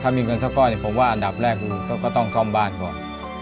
ถ้ามีเงินสักก้อนเนี่ยผมว่าอันดับแรกก็ต้องซ่อมบ้านก่อน